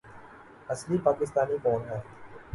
اصلی پاکستانی کون ہے